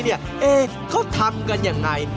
เอ๊ะก็ทำกันอย่างไร